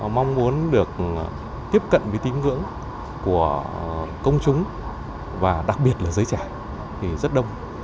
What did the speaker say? mong muốn được tiếp cận với tín ngưỡng của công chúng và đặc biệt là giới trẻ thì rất đông